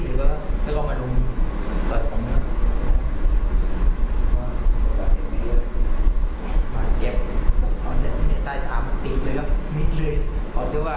ติดสร้อยติดอะไรอะไรไปด้วยเนี้ยมันเก็บชาติปล่อยมันไปเลยอ่ะ